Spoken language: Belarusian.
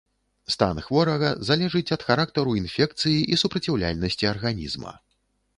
Стан хворага залежыць ад характару інфекцыі і супраціўляльнасці арганізма.